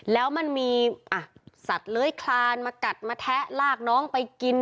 แล้วมันมีสัตว์เลื้อยคลานมากัดมาแทะลากน้องไปกิน